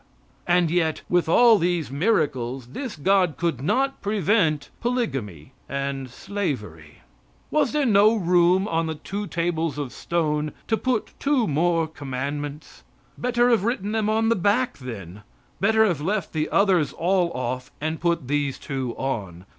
And yet, with all these miracles, this God could not prevent polygamy and slavery. Was there no room on the two tables of stone to put two more commandments? Better have written them on the back, then. Better have left the others all off and put these two on.